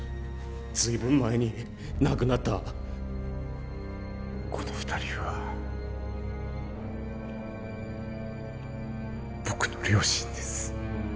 ずいぶん前に亡くなったこの二人は僕の両親です